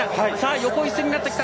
横一線になってきた。